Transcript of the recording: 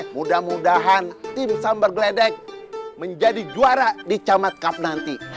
mudah mudahan tim sambar gledek menjadi juara di camat cup nanti